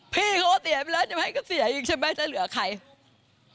พี่เขาก็เสียไปแล้วใช่ไหมก็เสียอีกใช่ไหมจะเหลือใคร